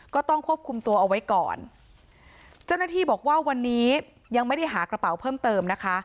ก็ต้องควบคุมตัวเอาไว้ก่อนเจ้าหน้าที่บอกว่าวันนี้ยังไม่ได้หากระเป๋าเพิ่มเติมนะคะ